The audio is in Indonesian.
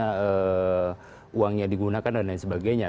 terus kemudian mereka uangnya digunakan dan lain sebagainya